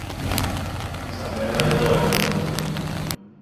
Isabella e Lorenzo